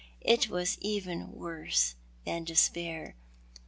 It was even worse than despair.